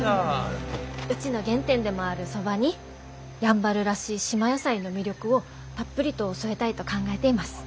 うちの原点でもあるそばにやんばるらしい島野菜の魅力をたっぷりと添えたいと考えています。